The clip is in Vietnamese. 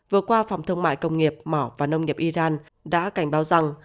vừa qua phòng thương mại công nghiệp mỏ và nông nghiệp iran đã cảnh báo rằng